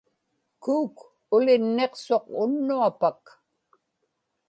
kuuk ulinniqsuq unnuapak